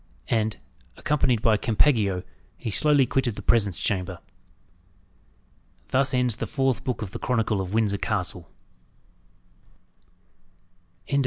And, accompanied by Campeggio, he slowly quitted the presence chamber. THUS ENDS THE FOURTH BOOK OF THE CHRONICLE OF WINDSOR CASTLE BOOK V.